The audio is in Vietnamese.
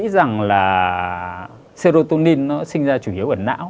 nghĩ rằng là serotonin nó sinh ra chủ yếu ở não